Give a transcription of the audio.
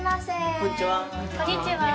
こんにちは。